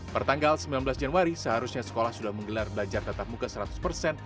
pertanggal sembilan belas januari seharusnya sekolah sudah menggelar belajar tetap muka seratus persen